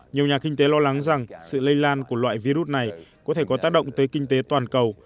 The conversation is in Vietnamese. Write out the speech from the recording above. nhiều nhà kinh tế lo lắng rằng sự lây lan của loại virus này có thể có tác động tới kinh tế toàn cầu